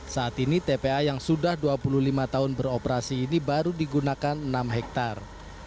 saat ini tpa yang sudah dua puluh lima tahun beroperasi ini baru digunakan enam hektare